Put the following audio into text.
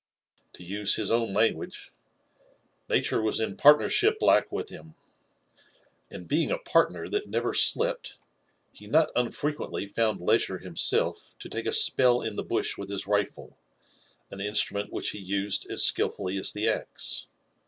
To use his own language, '' Natur was in partnership like with bim/' and being a partner that never slept, he not unfrequently found leisure himself to take a spell in the bush with his rifle, an instrument which he used as skilfully as the axe.